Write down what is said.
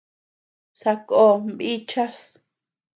Sakón bíchas.